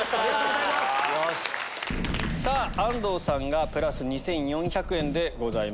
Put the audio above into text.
さぁ安藤さんがプラス２４００円でございます。